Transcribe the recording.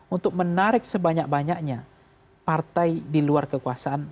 untuk menarik sebanyak banyaknya partai di luar kekuasaan